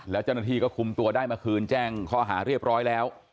แล้วเจ้าหน้าที่ก็คุมตัวได้มาคืนแจ้งข้อหาเรียบร้อยแล้ว